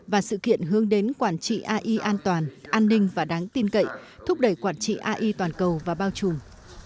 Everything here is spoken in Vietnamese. và sự kiện hướng đến quản trị ai an toàn an ninh và đáng tin cậy thúc đẩy quản trị ai toàn cầu và bao trùm